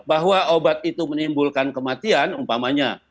bahwa obat itu menimbulkan kematian umpamanya